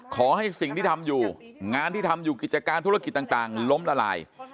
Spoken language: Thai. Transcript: ขอให้สิ่งที่ทำอยู่งานที่ทำอยู่กิจการธุรกิจต่างล้มละลาย